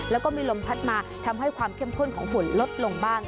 แล้วก็มีลมพัดมาทำให้ความเข้มข้นของฝุ่นลดลงบ้าง